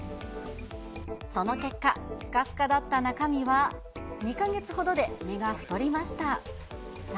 その結果、すかすかだった中身は、２か月ほどで身が太りました。